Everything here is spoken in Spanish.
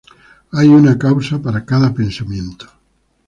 Hay una causa para cada pensamiento.